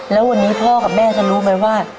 แล้ววันนี้พ่อกับแม่จะรู้ไหมว่า